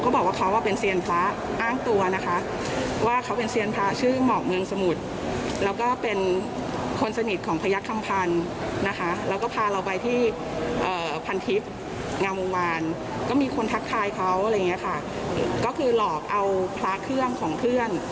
ก็มีคนทักทายเขาอะไรอย่างนี้ค่ะก็คือหลอกเอาพลาเครื่องของเพื่อน